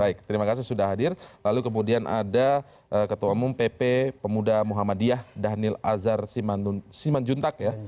baik terima kasih sudah hadir lalu kemudian ada ketua umum pp pemuda muhammadiyah dhanil azhar simanjuntak ya